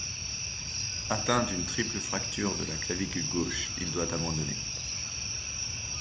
Atteint d'une triple fracture de la clavicule gauche, il doit abandonner.